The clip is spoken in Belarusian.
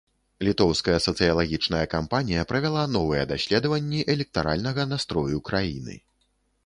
Літоўская сацыялагічная кампанія правяла новыя даследаванні электаральнага настрою краіны.